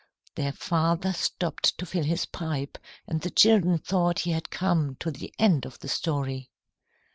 Their father stopped to fill his pipe, and the children thought he had come to the end of the story.